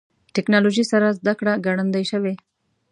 ټکنالوژي سره زدهکړه ګړندۍ شوې.